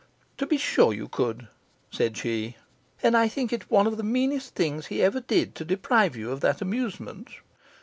'To be sure you could,' said she; 'and I think it one of the meanest things he ever did to deprive you of that amusement.